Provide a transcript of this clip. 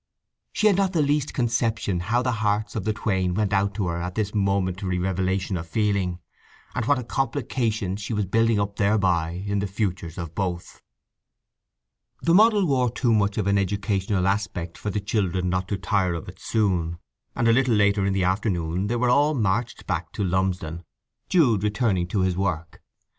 She had not the least conception how the hearts of the twain went out to her at this momentary revelation of feeling, and what a complication she was building up thereby in the futures of both. The model wore too much of an educational aspect for the children not to tire of it soon, and a little later in the afternoon they were all marched back to Lumsdon, Jude returning to his work.